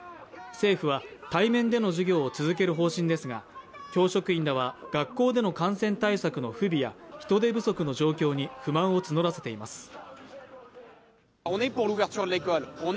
政府は対面での授業を続ける方針ですが教職員らは学校での感染対策の不備や人手不足の状況に不満を募らせています。